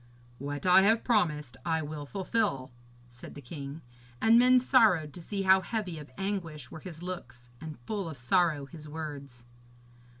'What I have promised I will fulfil,' said the king; and men sorrowed to see how heavy of anguish were his looks, and full of sorrow his words.